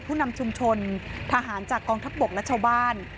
ผู้นำชุมชนทหารจากกองทัพบกและชาวบ้าน